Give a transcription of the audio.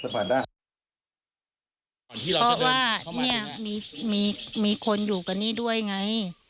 เพราะว่าเนี่ยมีคนอยู่กันนี่ด้วยไง